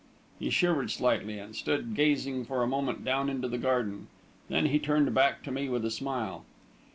He shivered slightly, and stood gazing for a moment down into the garden. Then he turned back to me with a smile.